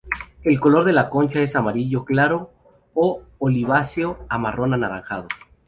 El color de la concha es amarillo claro o oliváceo a marrón anaranjado.